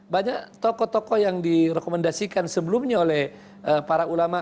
banyak tokoh tokoh yang direkomendasikan sebelumnya oleh para ulama